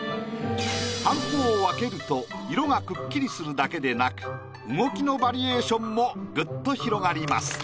はんこを分けると色がくっきりするだけでなく動きのバリエーションもぐっと広がります。